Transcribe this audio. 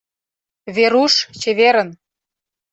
— Веруш, чеверын!